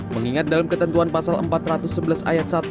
mengingat dalam ketentuan pasal empat ratus sebelas ayat satu